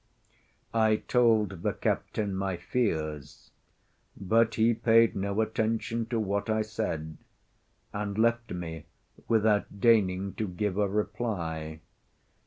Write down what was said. I told the captain my fears; but he paid no attention to what I said, and left me without deigning to give a reply.